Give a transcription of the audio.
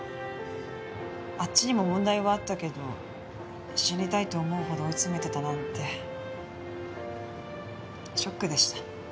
あっちにも問題はあったけど死にたいと思うほど追い詰めてたなんてショックでした。